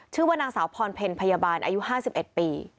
ชื่อว่านางสาวพรเพลพยาบาลอายุห้าสิบเอ็ดปี